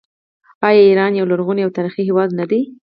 آیا ایران یو لرغونی او تاریخي هیواد نه دی؟